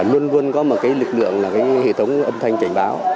luôn luôn có một lực lượng là hệ thống âm thanh cảnh báo